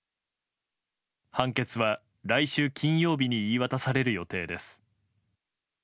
判決は来週金曜日に言い渡される予定です。